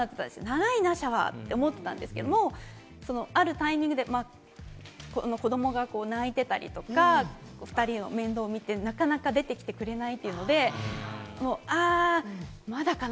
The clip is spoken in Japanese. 長いな、シャワーって思ってたんですけれども、あるタイミングで子どもが泣いてたりとか、２人の面倒を見てなかなか出てきてくれないというので、まだかな？